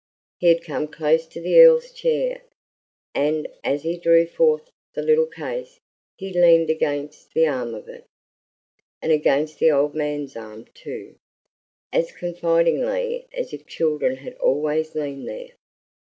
He had come close to the Earl's chair, and, as he drew forth the little case, he leaned against the arm of it, and against the old man's arm, too, as confidingly as if children had always leaned there.